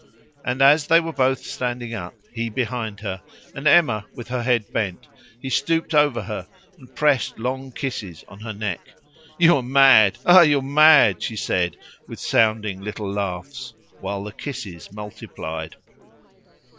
And as they were both standing up, he behind her, and Emma with her head bent, he stooped over her and pressed long kisses on her neck. "You are mad! Ah! you are mad!" she said, with sounding little laughs, while the kisses multiplied.